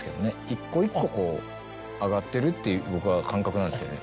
一個一個こう上がってるっていう僕は感覚なんですけどね。